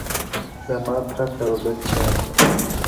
له ما پـرته وبـــل چــــــاتــــــه’